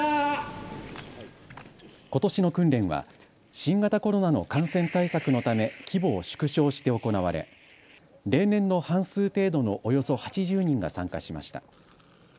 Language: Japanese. ことしの訓練は新型コロナの感染対策のため規模を縮小して行われ例年の半数程度のおよそ８０人が参加しました。